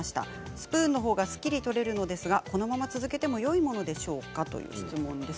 スプーンのほうがすっきり取れるのですがこのまま続けてもよいものでしょうかという質問です。